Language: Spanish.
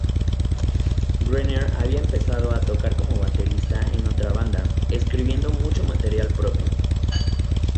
Greener había empezado a tocar como baterista en otra banda, escribiendo mucho material propio.